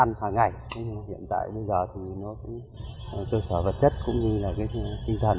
nhưng mà hiện tại bây giờ thì nó cũng cơ sở vật chất cũng như là cái tinh thần